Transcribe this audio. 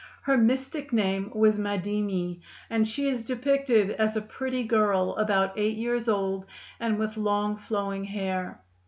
Her mystic name was Madimi, and she is depicted as a pretty girl about eight years old, and with long flowing hair.